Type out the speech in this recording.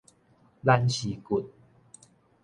懶屍骨